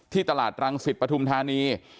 ที่ตลาดตรังสิตปทุมธานี